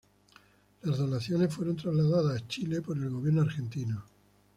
Las donaciones fueron trasladadas a Chile por el gobierno argentino.